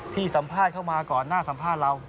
สัมภาษณ์เข้ามาก่อนหน้าสัมภาษณ์เรา